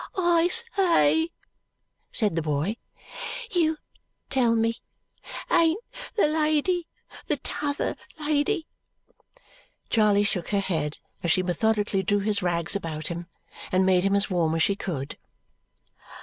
"I say!" said the boy. "YOU tell me. Ain't the lady the t'other lady?" Charley shook her head as she methodically drew his rags about him and made him as warm as she could.